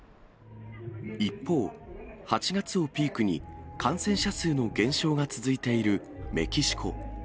一方、８月をピークに、感染者数の減少が続いているメキシコ。